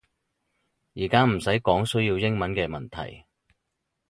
而家唔使講需要英文嘅問題